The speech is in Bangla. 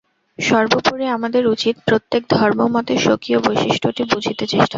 সর্বোপরি আমাদের উচিত প্রত্যেক ধর্মমতের স্বকীয় বৈশিষ্ট্যটি বুঝিতে চেষ্টা করা।